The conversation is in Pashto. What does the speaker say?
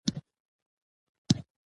د اصفهان محاصره اته میاشتې روانه وه.